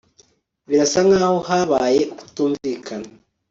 birasa nkaho habaye ukutumvikana